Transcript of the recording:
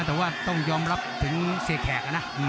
แต่ว่าต้องยอมรับถึงเสียแขกนะ